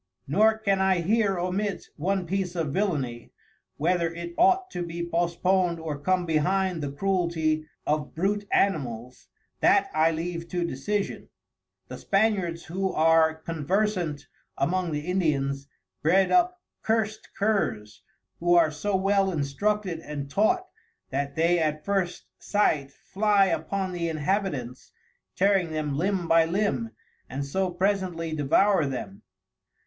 Nor can I here omit one piece of Villany, (whether it ought to be postpon'd or come behind the cruelty of Brute Animals, that I leave to decision). The Spaniards who are conversant among the Indians bred up curst Curs, who are so well instructed and taught that they at first sight, fly upon the Inhabitants tearing them limb by limb, and so presently devour them.